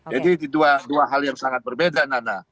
jadi itu dua hal yang sangat berbeda nana